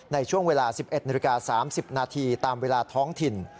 ในช่วงเวลา๑๑นาฬิกา๓๐นาทีตามเวลาท้องถิ่น